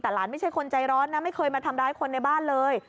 แต่หลานไม่ใช่คนใจร้อนนะไม่เคยมาทำร้ายคนในบ้านเลย